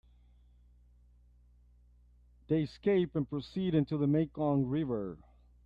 They escape and proceed into the Mekong River.